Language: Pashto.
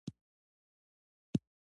د ریحان ګل د زړه لپاره وکاروئ